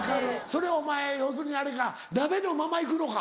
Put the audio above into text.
それお前要するにあれか鍋のまま行くのか。